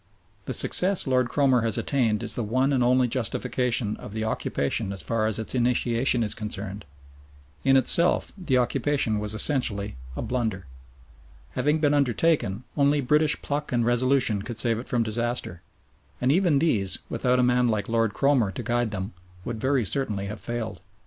The success Lord Cromer has attained is the one and only justification of the occupation as far as its initiation is concerned. In itself the occupation was essentially a blunder. Having been undertaken, only British pluck and resolution could save it from disaster, and even these, without a man like Lord Cromer to guide them, would very certainly have failed.